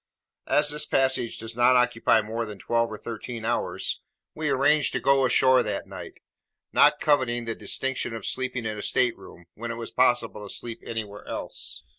As this passage does not occupy more than twelve or thirteen hours, we arranged to go ashore that night: not coveting the distinction of sleeping in a state room, when it was possible to sleep anywhere else.